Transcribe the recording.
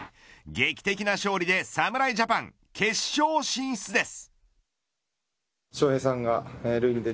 劇的な勝利で侍ジャパン決勝進出です。